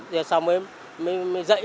rồi xong mới dậy